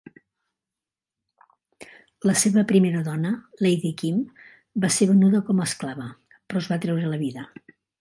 La seva primera dona, Lady Kim, va ser venuda com a esclava, però es va treure la vida.